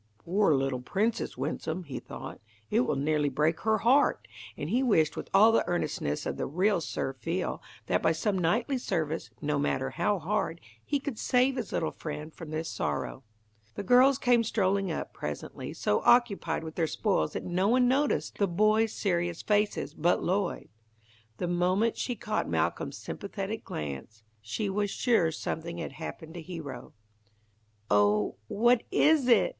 "Poor little Princess Winsome," he thought. "It will nearly break her heart," and he wished with all the earnestness of the real Sir Feal, that by some knightly service, no matter how hard, he could save his little friend from this sorrow. The girls came strolling up, presently, so occupied with their spoils that no one noticed the boy's serious faces but Lloyd. The moment she caught Malcolm's sympathetic glance she was sure something had happened to Hero. "Oh, what is it?"